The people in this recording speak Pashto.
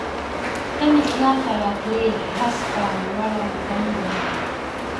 ته مي خیال ته راتلی هسکه، لوړه، دنګه